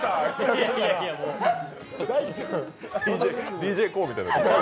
ＤＪＫＯＯみたいになってる。